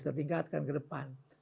harus ditingkatkan ke depan